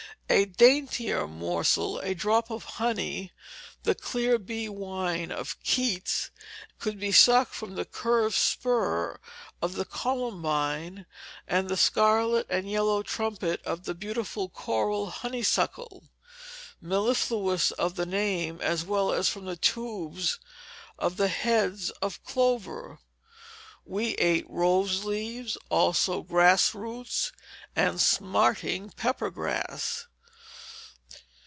A daintier morsel, a drop of honey, the "clear bee wine" of Keats, could be sucked from the curved spur of the columbine, and the scarlet and yellow trumpet of the beautiful coral honeysuckle, mellifluous of the name, as well as from the tubes of the heads of clover. We ate rose leaves, also, and grass roots, and smarting peppergrass.